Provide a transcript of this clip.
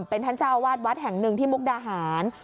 เป็นท่านเจ้าวาดวัดแห่งหนึ่งที่มุกดาหาร